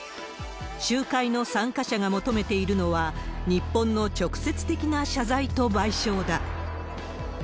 集会の参加者が求めているのは、日本の直接的な謝罪と賠償だ。